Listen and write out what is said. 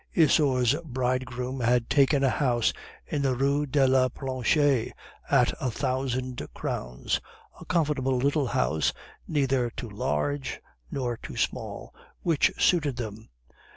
Isaure's bridegroom had taken a house in the Rue de la Plancher at a thousand crowns, a comfortable little house neither too large nor too small, which suited them.